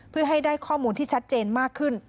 เพื่อให้ได้ข้อมูลที่ชัดเจนมากขึ้น